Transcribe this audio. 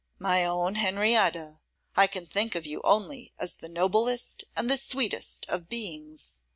'My own Henrietta, I can think of you only as the noblest and the sweetest of beings.